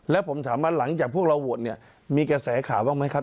แล้วผมถามว่าหลังจากพวกเราโหวตเนี่ยมีกระแสข่าวบ้างไหมครับ